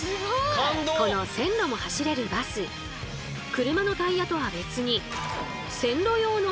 この線路も走れるバス車のタイヤとは別に線路用の車輪が。